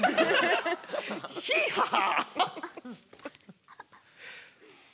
ヒーハハー！